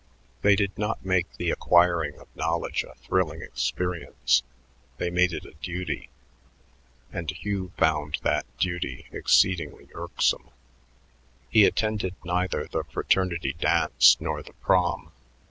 They did not make the acquiring of knowledge a thrilling experience; they made it a duty and Hugh found that duty exceedingly irksome. He attended neither the fraternity dance nor the Prom.